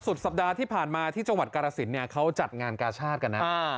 สัปดาห์ที่ผ่านมาที่จังหวัดกาลสินเนี่ยเขาจัดงานกาชาติกันนะ